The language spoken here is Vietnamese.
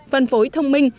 phân phối thông minh